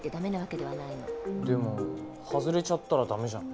でも外れちゃったら駄目じゃん。